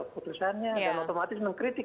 putusannya dan otomatis mengkritik